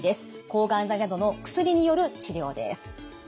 抗がん剤などの薬による治療です。